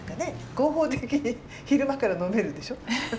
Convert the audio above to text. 合法的に昼間から飲めるでしょ？